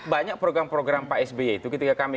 banyak program program pak sby itu ketika kami